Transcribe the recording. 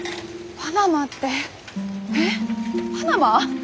パナマ！？